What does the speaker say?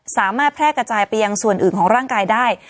สามารถแพร่กระจายไปยังส่วนอื่นของร่างกายได้